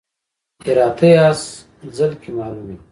هراتی اس ځل کې معلوم وي.